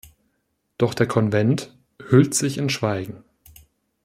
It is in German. Doch der Konvent hüllt sich in Schweigen.